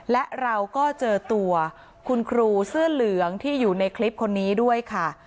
และเราก็เจอตัวคุณครูเสื้อเหลืองที่อยู่ในคลิปคนนี้ด้วยค่ะ